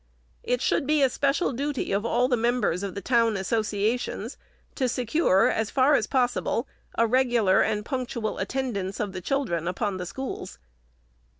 It should be a special duty of all the members of the town associations, to secure, as far as possible, a reg ular and punctual attendance of the children upon the schools.